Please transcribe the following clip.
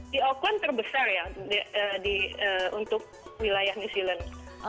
di auckland terbesar ya untuk wilayah new zealand